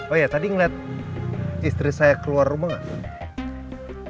oh iya tadi ngeliat istri saya keluar rumah gak